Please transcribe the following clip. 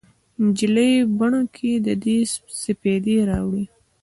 نجلۍ بڼو کې دې سپیدې راوړي